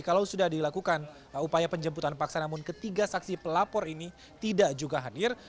kalau sudah dilakukan upaya penjemputan paksa namun ketiga saksi pelapor ini tidak juga hadir